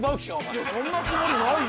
いやそんなつもりないよ。